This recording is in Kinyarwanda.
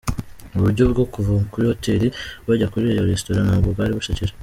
Uburyo bwo kuva kuri Hotel bajya kuri iyo restaurant nabwo bwari busekeje.